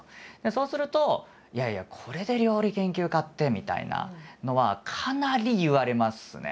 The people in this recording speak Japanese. そうすると「いやいやこれで料理研究家って」みたいなのはかなり言われますね。